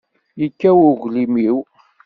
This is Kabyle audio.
Yekkaw uglim-iw.